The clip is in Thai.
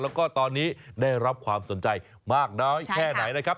แล้วก็ตอนนี้ได้รับความสนใจมากน้อยแค่ไหนนะครับ